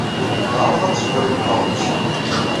Teɛreḍ ad teffer imeṭṭawen-is.